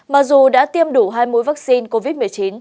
mặc dù đã tiêm đủ hai mũi vaccine covid một mươi chín